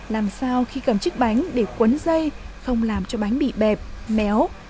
làm sao khi cầm chiếc bánh để quấn dây không làm cho bánh bị bẹp méo